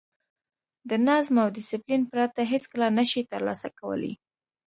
د نظم او ډیسپلین پرته هېڅکله نه شئ ترلاسه کولای.